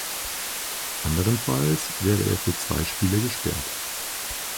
Anderenfalls werde er für zwei Spiele gesperrt.